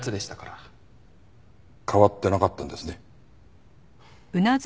変わってなかったんですね。